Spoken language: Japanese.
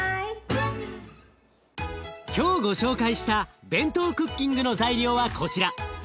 今日ご紹介したＢＥＮＴＯクッキングの材料はこちら。